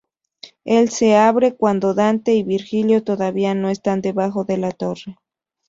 El se abre cuando Dante y Virgilio todavía no están debajo de la torre.